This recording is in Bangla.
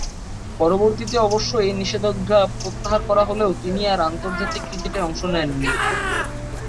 পরবর্তীতে অবশ্য এ নিষেধাজ্ঞা প্রত্যাহার করা হলেও তিনি আর আন্তর্জাতিক ক্রিকেটে অংশ নেননি।